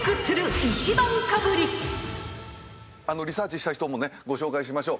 リサーチした人もねご紹介しましょう。